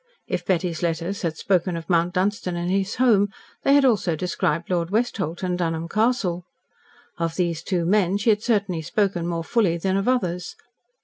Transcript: If Betty's letters had spoken of Mount Dunstan and his home, they had also described Lord Westholt and Dunholm Castle. Of these two men she had certainly spoken more fully than of others.